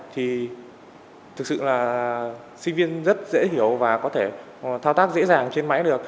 thì thực sự là sinh viên rất dễ hiểu và có thể thao tác dễ dàng trên máy được